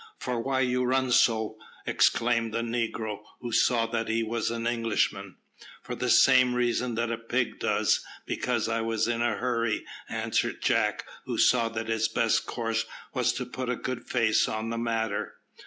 "For why you run so?" exclaimed the negro, who saw that he was an Englishman. "For the same reason that a pig does, because I was in a hurry," answered Jack, who saw that his best course was to put a good face on the matter.